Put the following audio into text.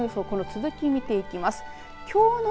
この続きを見ていきます。